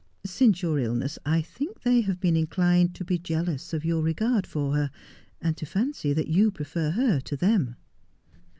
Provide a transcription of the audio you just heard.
Since your illness I think they have been inclined to be jealous of your regard for her, and to fancy that you prefer her to them.'